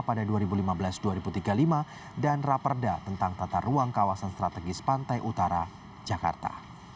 pada dua ribu lima belas dua ribu tiga puluh lima dan raperda tentang tata ruang kawasan strategis pantai utara jakarta